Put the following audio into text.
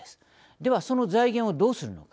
では、その財源をどうするのか。